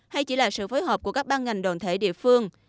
hay chỉ là sự phối hợp của các ban ngành đoàn thể địa phương